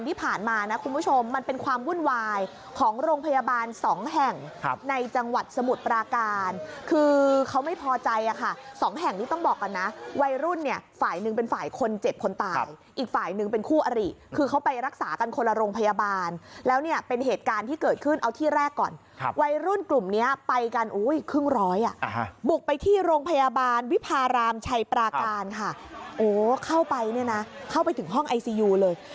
ที่ผ่านมานะคุณผู้ชมมันเป็นความวุ่นวายของโรงพยาบาลสองแห่งในจังหวัดสมุทรปราการคือเขาไม่พอใจอ่ะค่ะสองแห่งนี้ต้องบอกกันนะวัยรุ่นเนี่ยฝ่ายหนึ่งเป็นฝ่ายคนเจ็บคนตายอีกฝ่ายหนึ่งเป็นคู่อริคือเขาไปรักษากันคนละโรงพยาบาลแล้วเนี่ยเป็นเหตุการณ์ที่เกิดขึ้นเอาที่แรกก่อนครับวัยรุ่